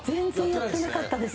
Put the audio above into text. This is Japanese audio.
やってなかったです。